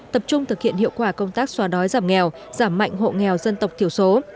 tập trung thực hiện hiệu quả công tác xóa đói giảm nghèo giảm mạnh hộ nghèo dân tộc thiểu số